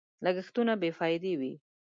لګښتونه بې فايدې وي.